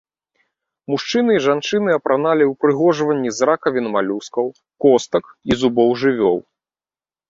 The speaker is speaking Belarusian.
Мужчыны і жанчыны апраналі ўпрыгожванні з ракавін малюскаў, костак і зубоў жывёл.